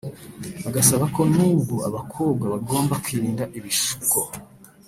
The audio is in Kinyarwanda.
agasaba ko n’ubwo abakobwa bagomba kwirinda ibishuko